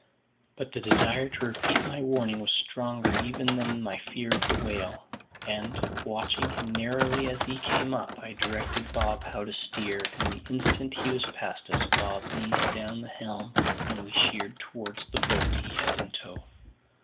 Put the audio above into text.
But the desire to repeat my warning was stronger even than my fear of the whale; and, watching him narrowly as he came up, I directed Bob how to steer, and the instant he was past us, Bob eased down the helm, and we sheered towards the boat he had in tow.